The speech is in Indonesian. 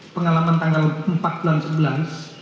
pengalaman tanggal empat bulan sebelas